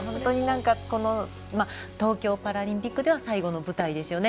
この東京パラリンピックでは最後の舞台ですよね。